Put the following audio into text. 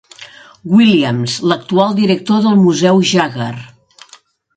Williams, l'actual director del museu Jaggar.